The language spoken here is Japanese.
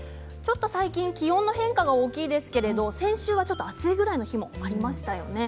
最近、気温の変化が大きいですけど先週はちょっと暑いぐらいの日がありましたよね。